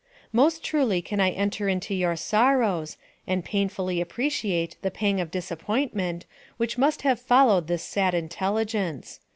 Most truly can I enter into your sorrows, and painfully appreciate the pang of disappointment which must have followed this sad intelligence.